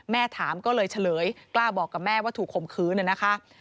ถามก็เลยเฉลยกล้าบอกกับแม่ว่าถูกข่มขืนนะคะ